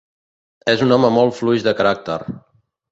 És un home molt fluix de caràcter.